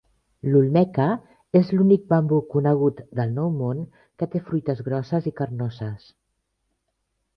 L'"Olmeca" és l'únic bambú conegut del Nou Món que té fruites grosses i carnoses.